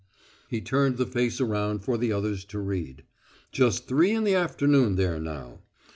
He turned the face around for the others to read. "Just three in the afternoon there now.